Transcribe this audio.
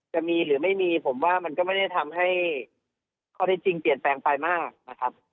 จะมีหรือไม่มีผมว่ามันก็ไม่ได้ทำให้ข้อที่จริงเปลี่ยนแปลงไปมากนะครับ